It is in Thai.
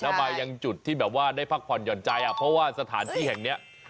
แล้วมายังจุดที่แบบว่าได้พักผ่อนหย่อนใจอ่ะเพราะว่าสถานที่แห่งเนี้ย